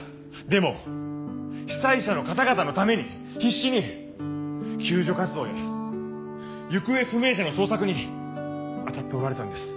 でも被災者の方々のために必死に救助活動や行方不明者の捜索に当たっておられたんです。